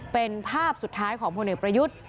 เป็นภาพสุดท้ายของพลเอกประยุทธ์